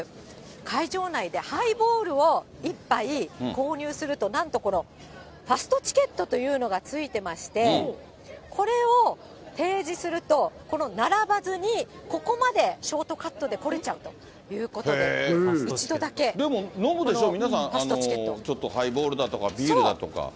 会場内でハイボールを１杯購入すると、なんとこのファストチケットというのが付いてまして、これを提示すると、並ばずにここまでショートカットで来れちゃうということで、一度でも飲むでしょ、ちょっとハそう。